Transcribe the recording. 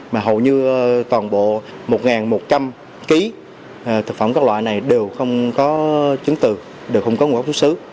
mà hầu như toàn bộ một một trăm linh kg thực phẩm các loại này đều không có chứng từ đều không có nguồn gốc xuất xứ